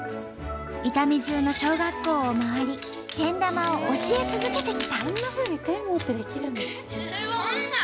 伊丹じゅうの小学校を回りけん玉を教え続けてきた。